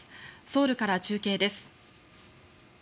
ソウルから中継です。